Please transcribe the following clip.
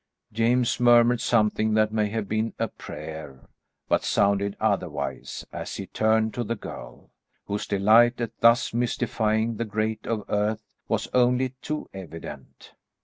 James murmured something that may have been a prayer, but sounded otherwise, as he turned to the girl, whose delight at thus mystifying the great of earth was only too evident.